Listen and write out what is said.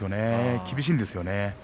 厳しいんですよね。